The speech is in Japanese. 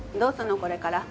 これから。